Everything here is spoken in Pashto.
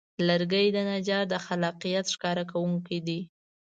لرګی د نجار د خلاقیت ښکاره کوونکی دی.